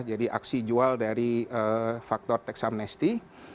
jadi aksi jual dari faktor teksamnesti